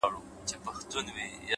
• که پاچا دی که امیر ګورته رسیږي,